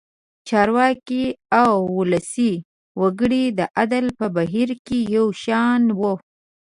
چارواکي او ولسي وګړي د عدل په بهیر کې یو شان وو.